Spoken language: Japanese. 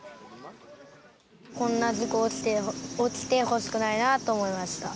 こんな事故、起きてほしくないなと思いました。